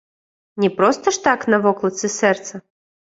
Не проста ж так на вокладцы сэрца.